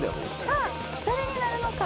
さあ誰になるのか？